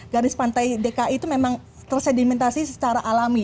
garis pantai dki itu memang tersedimentasi secara alami